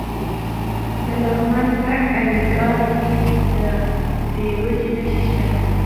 د لغمان په الینګار کې د بیروج نښې شته.